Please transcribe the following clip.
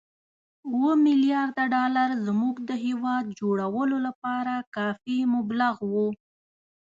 اووه ملیارده ډالر زموږ د هېواد جوړولو لپاره کافي مبلغ وو.